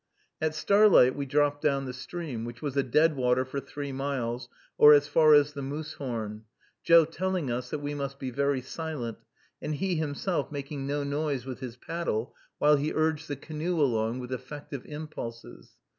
At starlight we dropped down the stream, which was a deadwater for three miles, or as far as the Moosehorn; Joe telling us that we must be very silent, and he himself making no noise with his paddle, while he urged the canoe along with effective impulses.